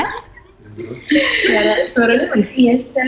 ya suaranya banyak